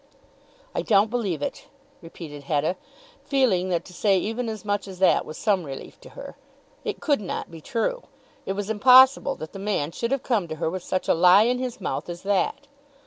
"I don't believe it," repeated Hetta, feeling that to say even as much as that was some relief to her. It could not be true. It was impossible that the man should have come to her with such a lie in his mouth as that.